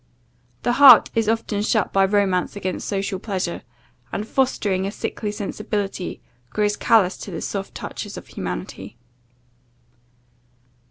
The heart is often shut by romance against social pleasure; and, fostering a sickly sensibility, grows callous to the soft touches of humanity.